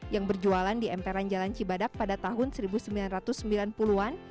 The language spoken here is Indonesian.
yang berjualan di emperan jalan cibadak pada tahun seribu sembilan ratus sembilan puluh an